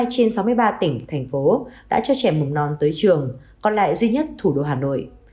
một mươi trên sáu mươi ba tỉnh thành phố đã cho trẻ mầm non tới trường còn lại duy nhất thủ đô hà nội